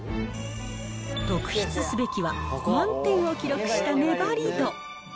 特筆すべきは満点を記録した粘り度。